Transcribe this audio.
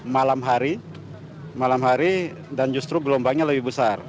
malam hari malam hari dan justru gelombangnya lebih besar